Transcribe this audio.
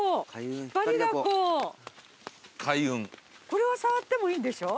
これは触ってもいいんでしょ？